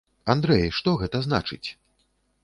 Андрэй, што гэта значыць?